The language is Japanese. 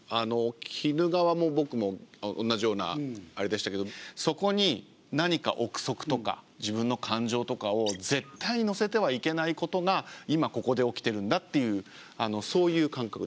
鬼怒川も僕も同じようなあれでしたけどそこに何か臆測とか自分の感情とかを絶対に乗せてはいけないことが今ここで起きているんだっていうそういう感覚でしたですね。